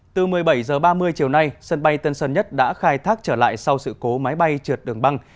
từ một mươi bảy h ba mươi chiều nay sân bay tân sơn nhất đã khai thác trở lại sau sự cố máy bay trượt đường băng